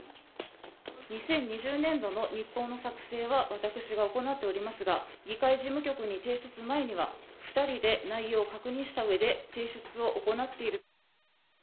２０２０年度の日報の作成は私が行っておりますが、議会事務局に提出前には、２人で内容を確認したうえで、提出を行っている。